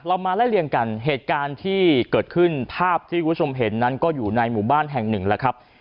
มาไล่เลี่ยงกันเหตุการณ์ที่เกิดขึ้นภาพที่คุณผู้ชมเห็นนั้นก็อยู่ในหมู่บ้านแห่งหนึ่งแล้วครับ